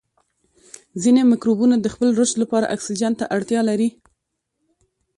ځینې مکروبونه د خپل رشد لپاره اکسیجن ته اړتیا لري.